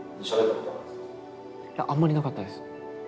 いやあんまりなかったです。